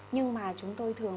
nhưng mà chúng tôi thường